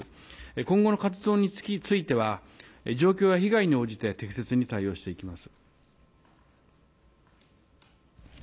今後の活動については、状況や被害に応じて適切に対応していきます。